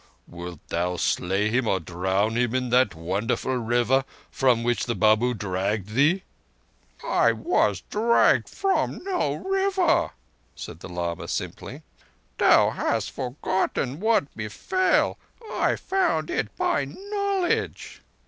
Wilt thou slay him or drown him in that wonderful river from which the Babu dragged thee?" "I was dragged from no river," said the lama simply. "Thou hast forgotten what befell. I found it by Knowledge."